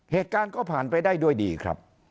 เหตุการณ์ก็ผ่านไปได้ด้วยดีครับ